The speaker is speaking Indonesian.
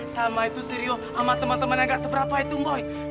sama itu si rio sama teman temannya gak seberapa itu mboy